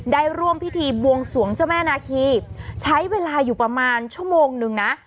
ได้ร่วมพิธีบวงสวงเจ้าแม่นาคีใช้เวลาอยู่ประมาณชั่วโมงนึงนะ